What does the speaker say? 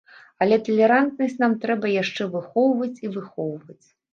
Але талерантнасць нам трэба яшчэ выхоўваць і выхоўваць.